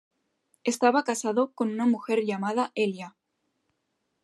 Estaba casado con una mujer llamada Elia.